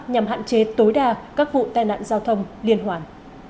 nhằm hạn chế tối đa các vụ tai nạn giao thông liên hoàn